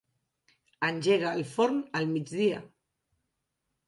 Engega el forn al migdia.